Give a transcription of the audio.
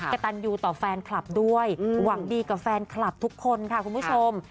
กระตันยูต่อแฟนคลับด้วยหวังดีกับแฟนคลับทุกคนค่ะคุณผู้ชม